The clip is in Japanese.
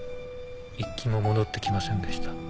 １機も戻って来ませんでした。